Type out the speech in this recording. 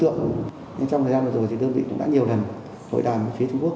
trong thời gian vừa rồi thì đơn vị cũng đã nhiều lần hội đàm với phía trung quốc